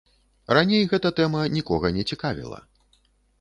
Раней гэта тэма нікога не цікавіла.